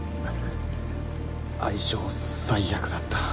相性最悪だった。